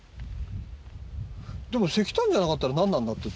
でも石炭じゃなかったらなんなんだっていう。